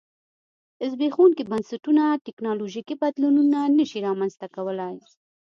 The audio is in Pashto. زبېښونکي بنسټونه ټکنالوژیکي بدلونونه نه شي رامنځته کولای.